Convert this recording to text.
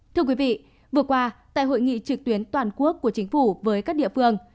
thưa quý vị vừa qua tại hội nghị trực tuyến toàn quốc của chính phủ với các địa phương